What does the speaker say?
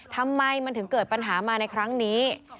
ทำไมมันถึงเกิดปัญหามาในครั้งนี้